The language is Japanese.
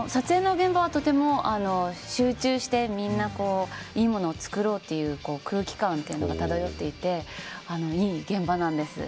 撮影の現場はとても集中してみんないいものを作ろうという空気感というのが漂っていていい現場なんです。